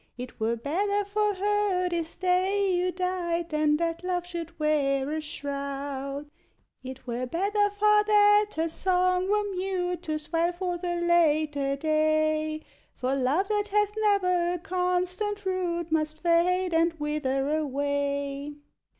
It were better for her, this day, you died Than that Love should wear a shroud. It were better far that her song were mute, To swell forth a later day; For Love that hath never a constant root Must fade and wither away.